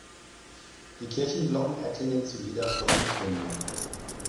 Die Kirchenglocken erklingen zu jeder vollen Stunde.